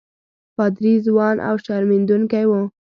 پادري ځوان او شرمېدونکی وو.